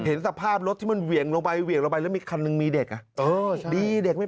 เห็นสภาพรถที่มันเหวี่ยงลงไปเหวี่ยงลงไปแล้วมีคันหนึ่งมีเด็กอ่ะเออดีเด็กไม่